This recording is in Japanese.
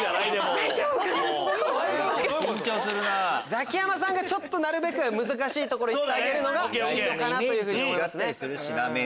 ザキヤマさんがちょっとなるべく難しい所言ってあげるのがいいのかなというふうに思いますね。